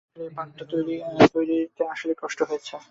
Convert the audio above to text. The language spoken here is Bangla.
বিশেষ করে এই পার্ট টা তৈরিতে আসলেই কষ্ট হয়েছে।